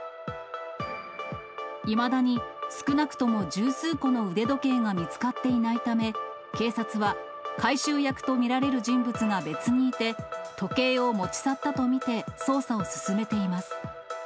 いまだに、少なくとも十数個の腕時計が見つかっていないため、警察は回収役と見られる人物が別にいて、時計を持ち去ったと見て捜査を進めています。